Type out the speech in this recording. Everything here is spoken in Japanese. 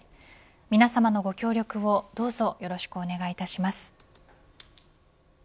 皆さまのご協力を、どうぞよろしくお願いいたします。